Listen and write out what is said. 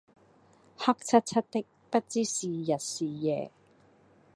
黑漆漆的，不知是日是夜。